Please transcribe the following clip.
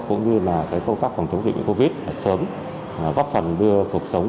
cũng như là công tác phòng chống dịch covid sớm góp phần đưa cuộc sống